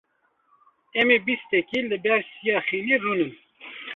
Em ê bîstekê li ber siya xênî rûnin.